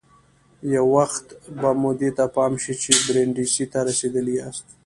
یو وخت به مو دې ته پام شي چې برېنډېسي ته رسېدلي یاست.